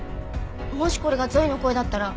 もしこれがゾイの声だったら。